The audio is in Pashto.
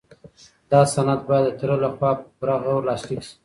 دا سند باید د تره لخوا په پوره غور لاسلیک شي.